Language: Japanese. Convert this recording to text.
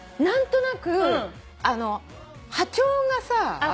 何となく波長がさ。